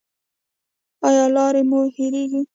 ایا لارې مو هیریږي؟